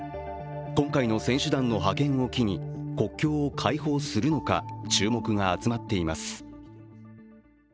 今回の選手団の派遣を機に国境を開放するのか、注目が集まっています。